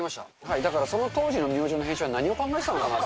だからその当時のミョージョーの編集は何考えてたのかなって。